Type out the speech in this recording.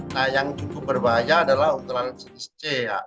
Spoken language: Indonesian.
nah yang cukup berbahaya adalah jenis c